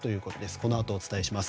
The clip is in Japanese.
このあと、お伝えします。